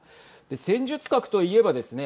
戦術核といえばですね